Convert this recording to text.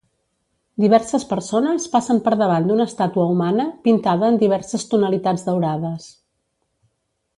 Diverses persones passen per davant d'una estàtua humana, pintada en diverses tonalitats daurades.